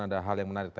ada hal yang menarik